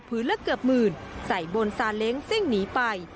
ละเกือบหมื่นใส่บนซาเล้งซิ่งหนีไป